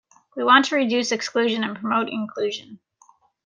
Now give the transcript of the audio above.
We want to reduce exclusion and promote inclusion.